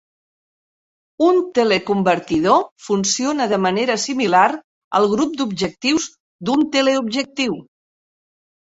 Un teleconvertidor funciona de manera similar al "grup d'objectius" d'un teleobjectiu.